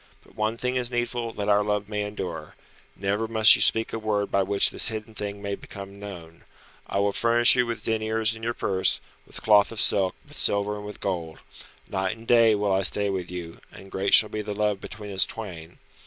But one thing is needful that our love may endure. Never must you speak a word by which this hidden thing may become known. I will furnish you with deniers in your purse, with cloth of silk, with silver and with gold. Night and day will I stay with you, and great shall be the love between us twain.